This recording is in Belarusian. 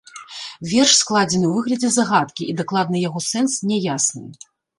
Верш складзены ў выглядзе загадкі, і дакладны яго сэнс няясны.